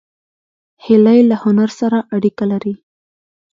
هیلۍ له هنر سره اړیکه لري